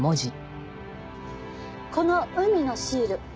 この「海」のシール